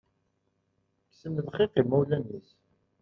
Kksen lxiq imawlan-is.